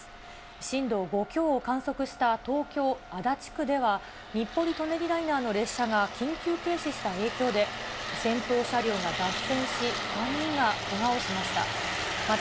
震度５強を観測した東京・足立区では、日暮里・舎人ライナーの列車が緊急停止した影響で、先頭車両が脱線し、３人がけがをしました。